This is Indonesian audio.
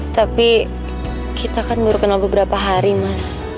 tapi kita kan baru kenal beberapa hari mas